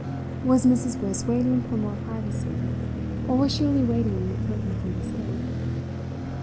Was Mrs. Briss waiting for more privacy, or was she only waiting for a complete escape?